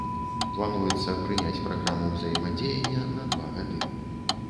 Плануецца прыняць праграму ўзаемадзеяння на два гады.